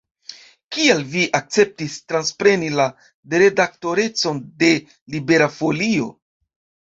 Kial vi akceptis transpreni la redaktorecon de Libera Folio?